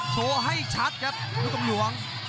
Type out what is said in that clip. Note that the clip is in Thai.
โชว์ให้ชัดครับลูกกำหลวง